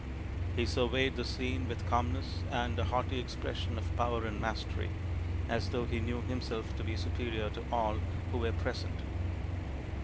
He surveyed the scene with calmness and a haughty expression of power and mastery, as though he knew himself to be superior to all who were present.